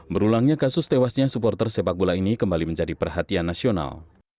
berulangnya kasus tewasnya supporter sepak bola ini kembali menjadi perhatian nasional